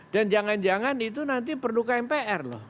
dan jangan jangan itu nanti perlu kmpr loh